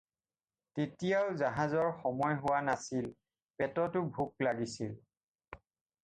তেতিয়াও জাহাজৰ সময় হোৱা নাছিল, পেটতো ভোক লাগিছিল।